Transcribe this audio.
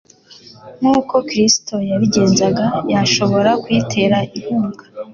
nk'uko Kristo yabigenzaga, yashobora kuyitera inkunga,